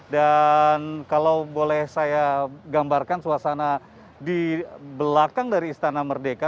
dan kalau boleh saya gambarkan suasana di belakang dari istana merdeka